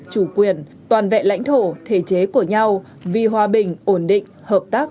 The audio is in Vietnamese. chủ quyền toàn vẹn lãnh thổ thể chế của nhau vì hòa bình ổn định hợp tác